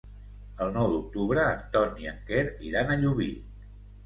El nou d'octubre en Ton i en Quer iran a Llubí.